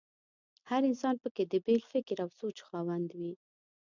هر انسان په کې د بېل فکر او سوچ خاوند وي.